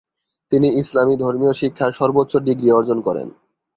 তিনি ইসলামি ধর্মীয় শিক্ষার সর্বোচ্চ ডিগ্রি অর্জন করেন।